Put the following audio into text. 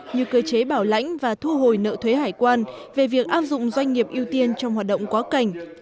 như cơ chế bảo lãnh và thu hồi nợ thuế hải quan về việc áp dụng doanh nghiệp ưu tiên trong hoạt động quá cảnh